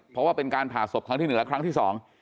เพราะว่าเป็นการผ่าศพครั้งที่หนึ่งและครั้งที่สอง